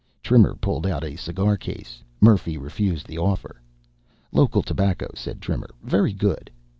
Trimmer pulled out a cigar case. Murphy refused the offer. "Local tobacco," said Trimmer. "Very good."